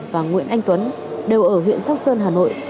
và nguyễn anh tuấn đều ở huyện sóc sơn hà nội